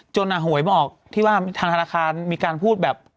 จนอ่อโหยไม่ออกที่ว่าราคารมีการพูดแบบ